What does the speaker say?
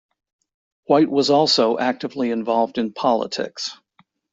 White was also actively involved in politics.